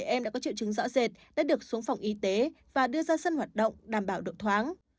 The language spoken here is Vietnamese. hai mươi bảy em đã có triệu chứng rõ rệt đã được xuống phòng y tế và đưa ra sân hoạt động đảm bảo độ thoáng